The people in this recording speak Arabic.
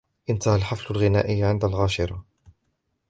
انتهى الحفل الغنائي عند العاشرة.